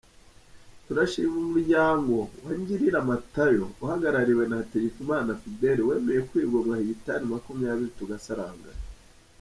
Turashimira umuryango wa Ngirira Matayo uhagarariwe na Hategekimana Fidele wemeye kwigomwa hegitari makumyabiri tugasaranganya.